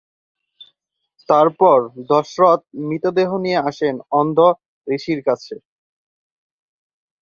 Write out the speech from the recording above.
তারপর দশরথ মৃতদেহ নিয়ে আসেন অন্ধ ঋষির কাছে।